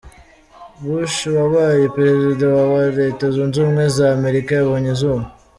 Bush, wabaye perezida wa wa Leta zunze ubumwe za Amerika yabonye izuba.